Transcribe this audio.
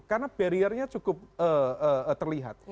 karena barriernya cukup terlihat